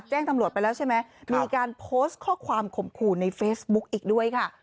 แจ้งตำรวจไปแล้วใช่ไหมมีการโพสต์ข้อความข่มขู่ในเฟซบุ๊กอีกด้วยค่ะ